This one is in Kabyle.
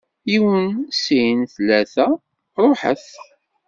Yiwen, sin, tlata, ruḥet!